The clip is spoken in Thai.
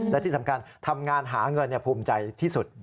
และที่สำคัญทำงานหาเงินภูมิใจที่สุด